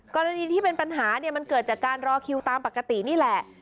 กรณีที่เป็นปัญหาเนี่ยมันเกิดจากการรอคิวตามปกตินี่แหละ